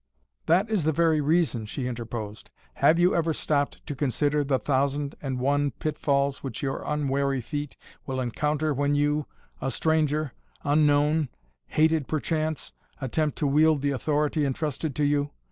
"That is the very reason," she interposed. "Have you ever stopped to consider the thousand and one pitfalls which your unwary feet will encounter when you a stranger unknown hated perchance attempt to wield the authority entrusted to you?